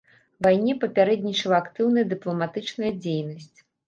Вайне папярэднічала актыўная дыпламатычная дзейнасць.